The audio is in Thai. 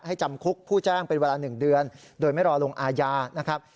จำคุกผู้แจ้งเป็นเวลา๑เดือนโดยไม่รอลงอาญานะครับ